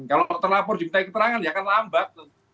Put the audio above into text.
kalau terlapor diminta keterangan ya akan lambat